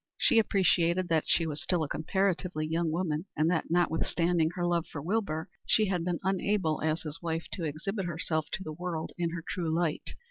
She appreciated that she was still a comparatively young woman, and that, notwithstanding her love for Wilbur, she had been unable as his wife to exhibit herself to the world in her true light.